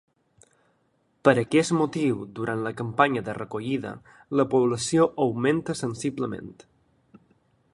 Per aquest motiu durant la campanya de recollida, la població augmenta sensiblement.